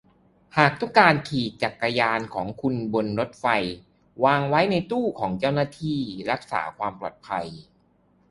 หากต้องการขี่จักรยานของคุณบนรถไฟวางไว้ในรถตู้ของเจ้าหน้าที่รักษาความปลอดภัย